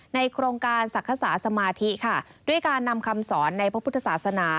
โครงการศักดิ์สาสมาธิค่ะด้วยการนำคำสอนในพระพุทธศาสนา